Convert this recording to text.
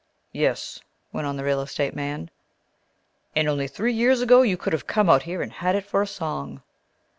"Yes," went on the real estate man, "and only three years ago you could have come out here and had it for a song!"